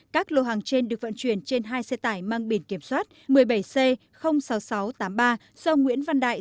các lô hàng trên được vận chuyển trên hai xe tải mang biển kiểm soát một mươi bảy c sáu nghìn sáu trăm tám mươi ba do nguyễn văn đại